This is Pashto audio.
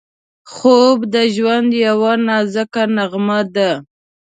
خوب د ژوند یوه نازکه نغمه ده